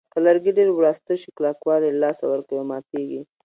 که لرګي ډېر وراسته شي کلکوالی له لاسه ورکوي او ماتېږي.